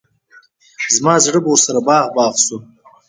زما زړه به ورسره باغ باغ شو.